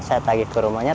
saya tagih ke rumahnya